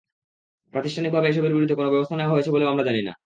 প্রাতিষ্ঠানিকভাবে এসবের বিরুদ্ধে কোনো ব্যবস্থা নেওয়া হয়েছে বলেও আমরা জানি না।